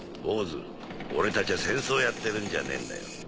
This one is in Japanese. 坊ず俺たちゃ戦争やってるんじゃねえんだよ。